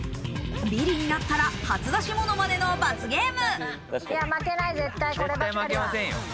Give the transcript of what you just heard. ビリになったら初出しモノマネの罰ゲーム。